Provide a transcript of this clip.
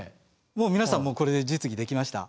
もう皆さんこれで実技できました。